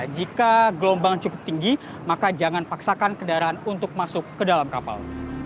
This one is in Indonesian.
jika gelombang cukup tinggi maka jangan paksakan kendaraan untuk masuk ke dalam kapal